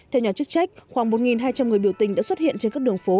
theo nhà chức trách khoảng một hai trăm linh người biểu tình đã xuất hiện trên các đường phố